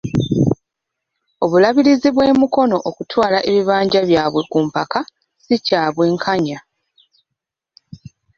Obulabirizi bw'e Mukono okutwala ebibanja byabwe ku mpaka, si kya bwenkanya.